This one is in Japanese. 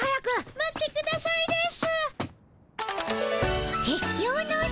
待ってくださいです。